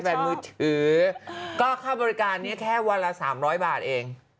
และปรากฎก็ข้าวบริการเนี่ยแค่วันละ๓๐๐บาทเอง